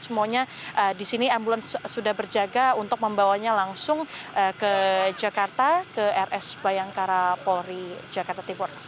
semuanya di sini ambulans sudah berjaga untuk membawanya langsung ke jakarta ke rs bayangkara polri jakarta timur